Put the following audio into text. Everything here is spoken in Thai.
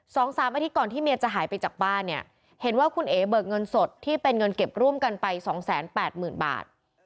สองสามอาทิตย์ก่อนที่เมียจะหายไปจากบ้านเนี่ยเห็นว่าคุณเอ๋เบิกเงินสดที่เป็นเงินเก็บร่วมกันไปสองแสนแปดหมื่นบาท